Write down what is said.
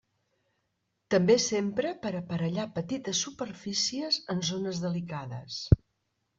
També s'empra per aparellar petites superfícies en zones delicades.